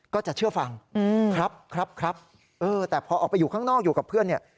ก็จะเชื่อฟังครับครับเออแต่พอออกไปอยู่ข้างนอกอยู่กับเพื่อนเนี่ย